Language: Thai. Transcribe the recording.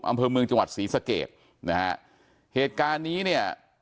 อำเภอเมืองจังหวัดศรีสะเกดนะฮะเหตุการณ์นี้เนี่ย